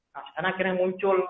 nah sekarang akhirnya muncul